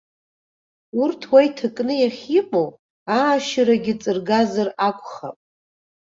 Урҭ уа иҭакны иахьимоу аашьарагьы ҵыргазар акәхап.